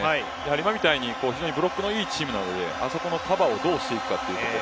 今みたいに、非常にブロックのいいチームなのであそこのカバーをどうしていくかというところ。